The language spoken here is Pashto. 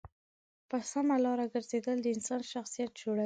په سمه لاره گرځېدل د انسان شخصیت جوړوي.